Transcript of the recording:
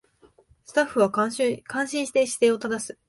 スタッフは感心して姿勢を正す